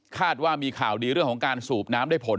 ว่ามีข่าวดีเรื่องของการสูบน้ำได้ผล